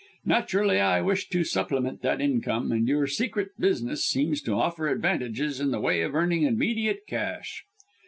Naturally I wish to supplement that income, and your secret business seems to offer advantages in the way of earning immediate cash."